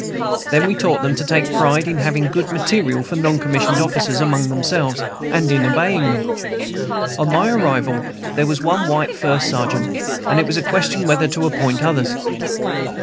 Then we taught them to take pride in having good material for noncommissioned officers among themselves, and in obeying them. On my arrival there was one white first sergeant, and it was a question whether to appoint others.